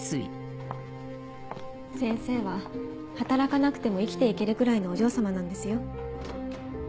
先生は働かなくても生きて行けるくらいのお嬢様なんですよ。